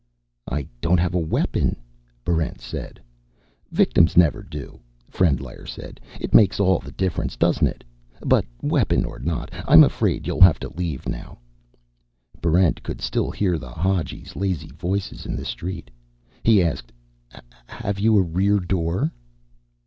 "I don't have a weapon," Barrent said. "Victims never do," Frendlyer said. "It makes all the difference, doesn't it? But weapon or not, I'm afraid you'll have to leave now." Barrent could still hear the Hadjis' lazy voices in the street. He asked, "Have you a rear door?"